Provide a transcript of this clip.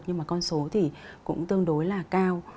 nhưng mà con số thì cũng tương đối là cao